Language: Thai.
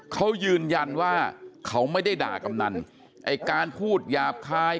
เขายืนยันว่าเขาไม่ได้ด่ากำนันไอ้การพูดหยาบคาย